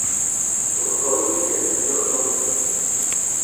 我投影片只有中文